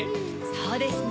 そうですね。